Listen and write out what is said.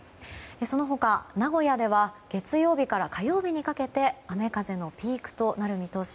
その他、名古屋では月曜日から火曜日にかけて雨風のピークとなる見通し。